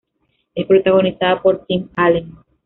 Es protagonizada por Tim Allen.